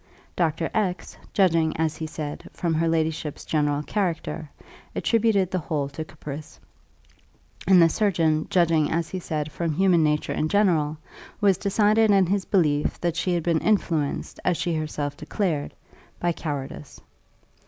Doctor X , judging, as he said, from her ladyship's general character, attributed the whole to caprice; and the surgeon, judging, as he said, from human nature in general, was decided in his belief that she had been influenced, as she herself declared, by cowardice.